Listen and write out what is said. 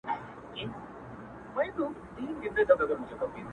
زما د ميني ليونيه ـ ستا خبر نه راځي ـ